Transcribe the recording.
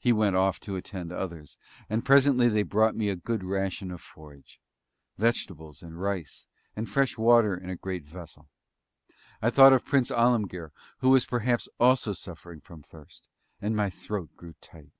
He went off to attend others; and presently they brought me a good ration of forage; vegetables, and rice, and fresh water in a great vessel. I thought of Prince Alemguir, who was perhaps also suffering from thirst and my throat grew tight!...